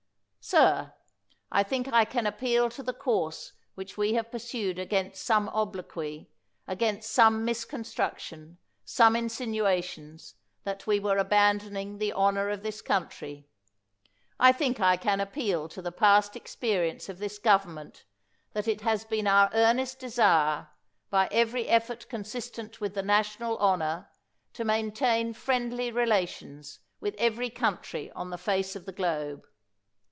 Sir, I think I can appeal to the course which we have pursued against some obloquy, against some misconstruction, some insinuations thai we were abandoning the honor of this country — I think 188 PEEL I can appeal to the past experience of this goM ernment that it has been our earnest desire, b^ every effort consistent with the national honor, to maintain friendly relations with every country on the face of the globe.